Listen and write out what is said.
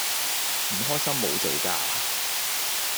唔開心無罪㗎